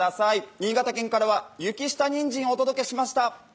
新潟県からは雪下にんじん、お届けしました！